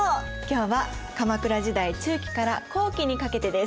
今日は鎌倉時代中期から後期にかけてです。